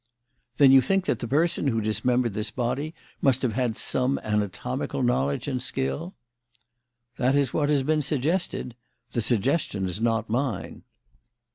"Then you think that the person who dismembered this body must have had some anatomical knowledge and skill?" "That is what has been suggested. The suggestion is not mine."